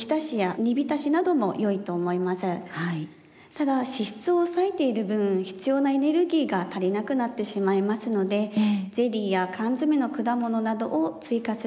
ただ脂質を抑えている分必要なエネルギーが足りなくなってしまいますのでゼリーや缶詰の果物などを追加するのもよいでしょう。